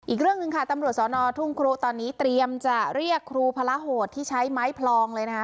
อีกเรื่องหนึ่งค่ะตำรวจสอนอทุ่งครูตอนนี้เตรียมจะเรียกครูพระโหดที่ใช้ไม้พลองเลยนะคะ